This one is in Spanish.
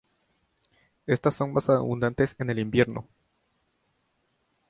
Estas son más abundantes en el invierno.